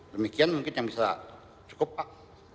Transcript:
demikian mungkin yang bisa cukup pak